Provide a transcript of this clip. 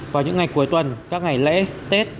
vào những ngày cuối tuần các ngày lễ tết